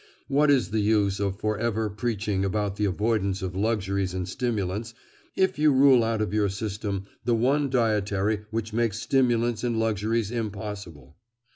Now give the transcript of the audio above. What is the use of for ever preaching about the avoidance of luxuries and stimulants, if you rule out of your system the one dietary which makes stimulants and luxuries impossible?